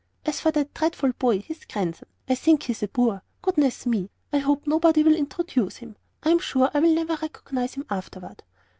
"As for that dreadful boy, his grandson, I think he's a boor. Goodness me I hope nobody will introduce him. I'm sure I never'll recognise him afterward."